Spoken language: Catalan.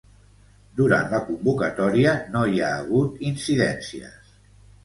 Durant la convocatòria no hi ha hagut incidències.